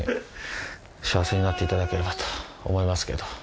幸せになっていただければと思いますけど。